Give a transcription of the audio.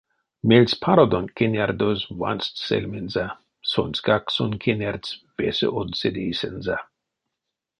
Мельспародонть кенярдозь вансть сельмензэ, сонськак сон кенярдсь весе од седейсэнзэ.